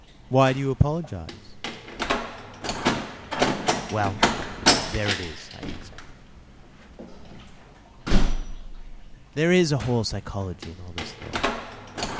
Why do you apologise? Well, there it is, I answer. There is a whole psychology in all this, though.